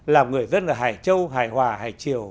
làm người dân ở hải châu hải hòa hải triều